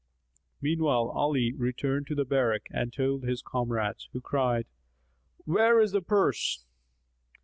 Meanwhile Ali returned to the barrack and told his comrades who cried, "Where is the purse?"